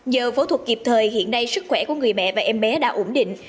giờ phẫu thuật kịp thời hiện nay sức khỏe của người mẹ và em bé đã ổn định